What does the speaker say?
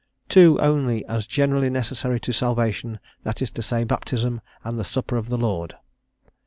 "Two only as generally necessary to salvation, that is to say, Baptism and the Supper of the Lord."